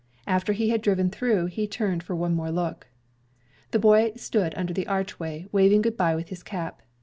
After he had driven through he turned for one more look. The boy stood under the archway waving good bye with his cap.